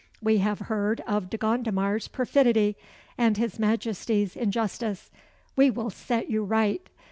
We have heard of De Gondomar's perfidy, and his Majesty's injustice. We will set you right.